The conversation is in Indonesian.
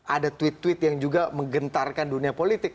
ada tweet tweet yang juga menggentarkan dunia politik